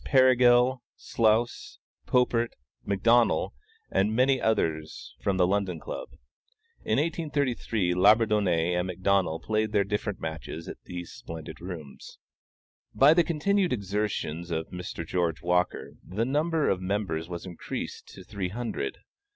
Perigal, Slous, Popert, McDonnel, and many others from the London Club. In 1833, Labourdonnais and McDonnel played their different matches at these splendid rooms. By the continued exertions of Mr. George Walker, the number of members was increased to three hundred.